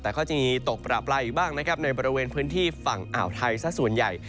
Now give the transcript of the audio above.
แต่ข้อจริงนี้ตกประปลายอีกบ้างนะครับในบริเวณพื้นที่ฝั่งอ่าวไทยซะส่วนใหญ่